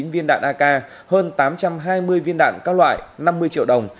hai mươi chín viên đạn ak hơn tám trăm hai mươi viên đạn các loại năm mươi triệu đồng